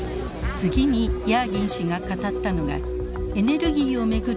次にヤーギン氏が語ったのがエネルギーを巡る